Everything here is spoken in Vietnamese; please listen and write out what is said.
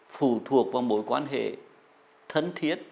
phù thuộc vào mối quan hệ thân thiết